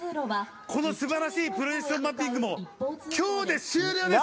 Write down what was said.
この素晴らしいプロジェクションマッピングも今日で終了です！